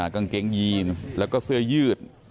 กางเกงยีนแล้วก็เสื้อยืด